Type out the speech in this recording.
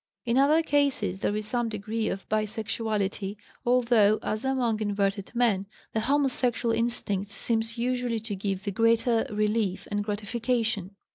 In other cases there is some degree of bisexuality, although, as among inverted men, the homosexual instinct seems usually to give the greater relief and gratification.